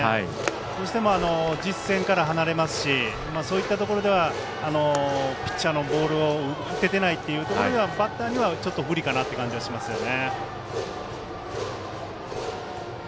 どうしても実戦から離れますしそういったところではピッチャーのボールを打ててないというところではバッターには不利かなという感じがしますよね。